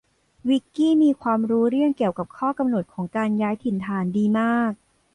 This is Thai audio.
วิคกี้มีความรู้เรื่องเกี่ยวกับข้อกำหนดของการย้ายถิ่นฐานดีมาก